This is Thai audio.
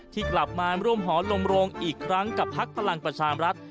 ที่กลับมาร่วมหอลมโรงอีกครั้งกับพักพลังประชามรัฐ